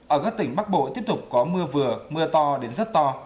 ở các tỉnh bắc bộ tiếp tục có mưa vừa mưa to đến rất to